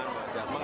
ada simulasi ya pak